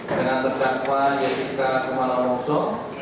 dengan terdakwa jessica kumala wongso